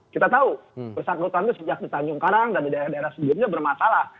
kita tahu persangkutan itu sejak di tanjung karang dan di daerah daerah sebelumnya bermasalah